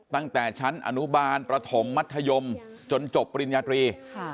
ตั้งแต่ชั้นอนุบาลประถมมัธยมจนจบปริญญาตรี